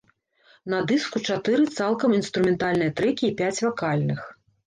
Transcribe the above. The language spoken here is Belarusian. На дыску чатыры цалкам інструментальныя трэкі і пяць вакальных.